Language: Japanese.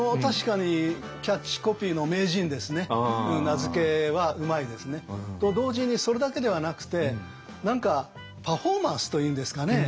名付けはうまいですね。と同時にそれだけではなくて何かパフォーマンスというんですかね